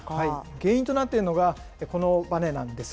原因となっているのが、このばねなんです。